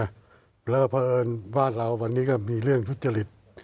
เพราะเอิญบ้านเราวันนี้ก็มีเรื่องทุจริต